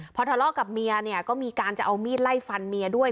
พอทะเลาะกับเมียเนี่ยก็มีการจะเอามีดไล่ฟันเมียด้วย